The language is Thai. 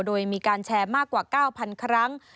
โดยมีการแชร์มากกว่า๙๐๐ครั้ง